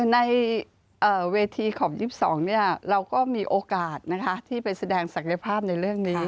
ในเวทีของ๒๒เราก็มีโอกาสที่ไปแสดงศักยภาพในเรื่องนี้